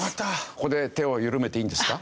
ここで手を緩めていいんですか？